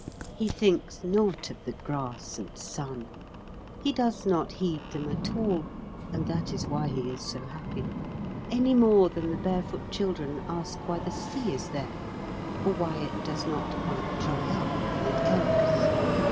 He thinks not of the grass and sun; he does not heed them at all and that is why he is so happy any more than the barefoot children ask why the sea is there, or why it does not quite dry up when it ebbs.